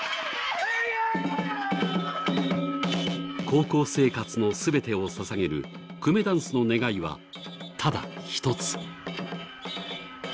高校生活の全てをささげるくめだんすの願いはただ一つ。